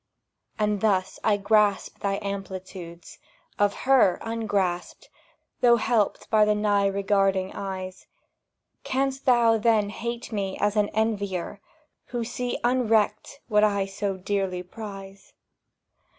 And thus I grasp thy amplitudes, of her Ungrasped, though helped by nigh regarding eyes; Canst thou then hate me as an envier Who see unrecked what I so dearly prize?